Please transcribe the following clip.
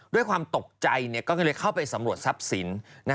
ด้วยความตกใจก็เลยเข้าไปสำรวจทรัพย์สิน